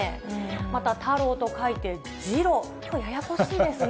また太郎と書いて、ジロウ、ここややこしいですね。